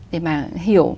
để mà hiểu